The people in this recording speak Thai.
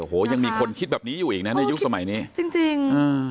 โอ้โหยังมีคนคิดแบบนี้อยู่อีกนะในยุคสมัยนี้จริงจริงอ่า